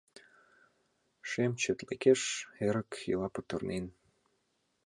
Шем четлыкеш эрык Ила петырнен.